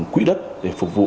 quỹ đất để phục vụ